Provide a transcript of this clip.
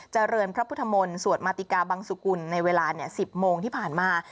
เจริญพระพุทธมนต์สวดมาติกาบังสุกุลในเวลา๑๐โมงที่ผ่านมา